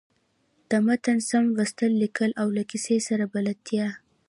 د متن سم لوستل، ليکل او له کیسۍ سره بلدتیا.